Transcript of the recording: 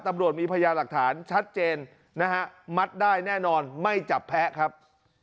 ตำรวจมีพยาหลักฐานชัดเจนนะฮะมัดได้แน่นอนไม่จับแพ้ครับ